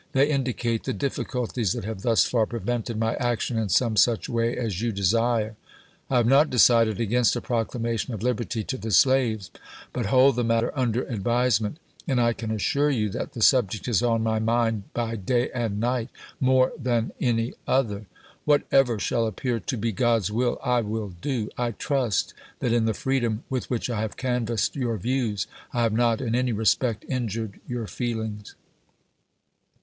They indicate the difficulties that have thus far prevented my action in some such way as you desire. I have not decided against a proclamation of liberty to the slaves, but hold the matter under advise ment. And I can assure you that the subject is on my mind, by day and night, more than any other. Whatever shall appear to be God's will, I will do. I trust that in the freedom with which I have canvassed your views I have not in any respect injured your feelings.